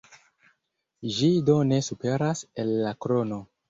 Ĝi do ne superas el la krono.